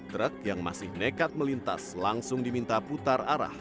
truk yang masih nekat melintas langsung diminta putar arah